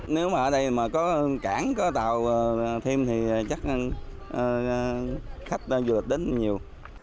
nếu mà ở đây có cảng có tàu thêm thì chắc khách vượt đến nhiều